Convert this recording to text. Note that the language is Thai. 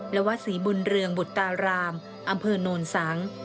และวัดศรีบุญเรืองบุตการามอำเภอโนนสัง